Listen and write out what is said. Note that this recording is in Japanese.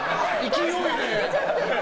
勢いでね。